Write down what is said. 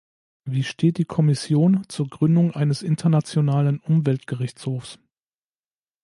Wie steht die Kommission zur Gründung eines internationalen Umweltgerichtshofs?